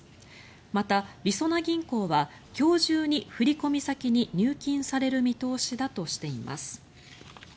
また、りそな銀行は今日中に振込先に入金される見通しだとしています。